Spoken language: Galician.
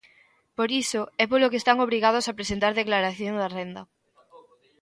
Por iso é polo que están obrigados a presentar declaración da renda.